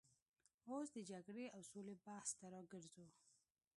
اوس د جګړې او سولې بحث ته راګرځو.